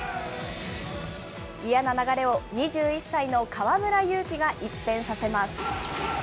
嫌な流れを２１歳の河村勇輝が一変させます。